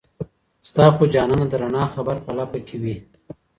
ستا خو جانانه د رڼا خبر په لـپـه كي وي